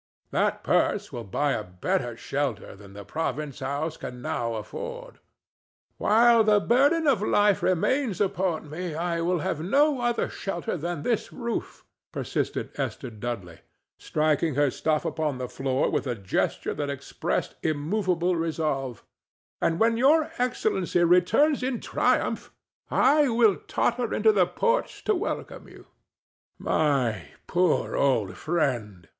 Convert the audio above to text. That purse will buy a better shelter than the province house can now afford." "While the burden of life remains upon me I will have no other shelter than this roof," persisted Esther Dudley, striking her staff upon the floor with a gesture that expressed immovable resolve; "and when Your Excellency returns in triumph, I will totter into the porch to welcome you." "My poor old friend!"